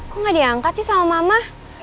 kok gak diangkat sih sama mama